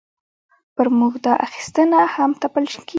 پر موږ دا اخیستنه هم تپل کېږي.